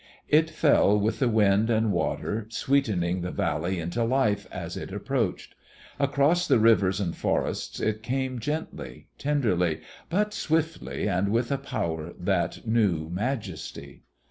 It fell with the wind and water, sweetening the valley into life as it approached. Across the rivers and forests it came gently, tenderly, but swiftly and with a power that knew majesty.